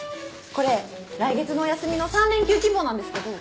これ来月のお休みの３連休希望なんですけど。